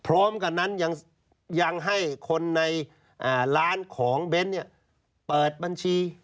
พร้อมกันนั้นยังให้คนในร้านของเบ้นเปิดบัญชี